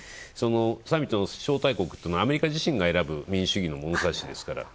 サミットの招待国ってアメリカ自身が選ぶ民主主義の物さしですから。